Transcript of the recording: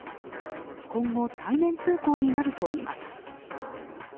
今後、対面通行になるといいます。